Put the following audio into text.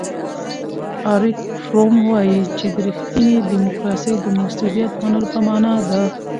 اریک فروم وایي چې ریښتینې دیموکراسي د مسؤلیت منلو په مانا ده.